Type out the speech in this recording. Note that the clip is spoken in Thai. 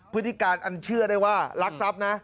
พฤติการอันเชื่อได้ว่ารักทรัพย์นะ